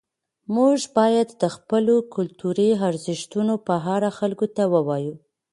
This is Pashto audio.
موږ باید د خپلو کلتوري ارزښتونو په اړه خلکو ته ووایو.